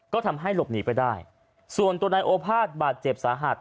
ก็ทำให้หลบหนีไปได้ส่วนตัวนายโอภาษบาดเจ็บสาหัส